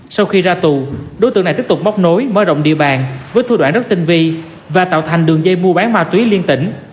sau khi ra tù đối tượng này tiếp tục móc nối mở rộng địa bàn với thu đoạn rất tinh vi và tạo thành đường dây mua bán ma túy liên tỉnh